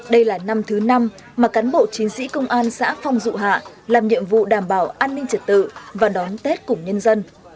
đây là năm thứ năm mà cán bộ chiến sĩ công an xã phong dụ hạ làm nhiệm vụ đảm bảo an ninh trật tự và đón tết cùng nhân dân